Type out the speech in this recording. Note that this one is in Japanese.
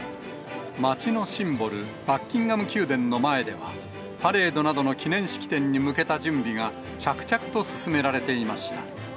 街のシンボル、バッキンガム宮殿の前では、パレードなどの記念式典に向けた準備が着々と進められていました。